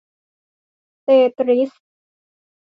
เตตริส !